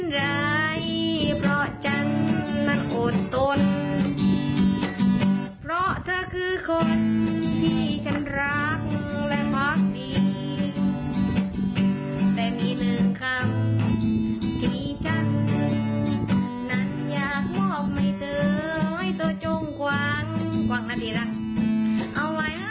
ได้หมดตามทดชื่นไม่ลงตามยืนก็ไม่ลืมให้ปลายใจ